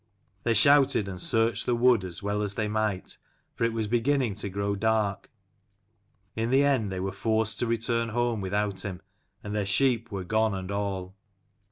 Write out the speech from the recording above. They shouted and searched the wood as well as they might, for it was beginning to grow dark. In the end they were forced to return home without him, and their sheep were gone and all.